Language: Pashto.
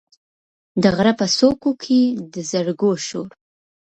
د غره په څوکو کې، د زرکو شور،